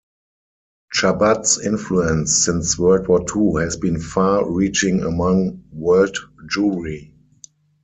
Chabad's influence since World War Two has been far reaching among world Jewry.